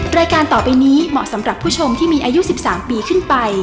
รายการต่อไปนี้เหมาะสำหรับผู้ชมที่มีอายุ๑๓ปีขึ้นไป